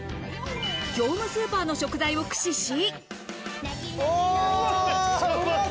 業務スーパーの食材を駆使し。